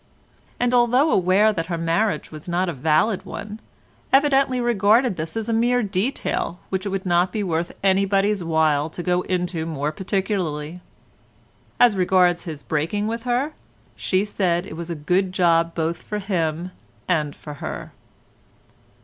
And although aware that her marriage was not a valid one, evidently regarded this as a mere detail which it would not be worth anybody's while to go into more particularly. As regards his breaking with her, she said it was a good job both for him and for her.